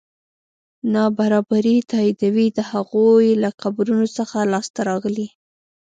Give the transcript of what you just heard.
نابرابري تاییدوي د هغوی له قبرونو څخه لاسته راغلي.